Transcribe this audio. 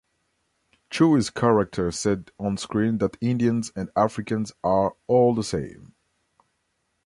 Chew's character said onscreen that Indians and Africans are "all the same".